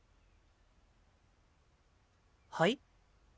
はい？